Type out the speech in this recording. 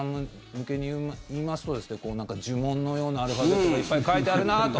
向けに言いますとなんか呪文のようなアルファベットがいっぱい書いてあるなと。